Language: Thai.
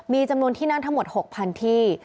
มีจำนวนที่นั่งทั้งหมด๖๐๐๐ที่